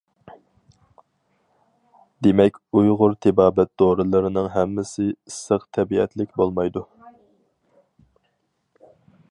دېمەك، ئۇيغۇر تېبابەت دورىلىرىنىڭ ھەممىسى ئىسسىق تەبىئەتلىك بولمايدۇ.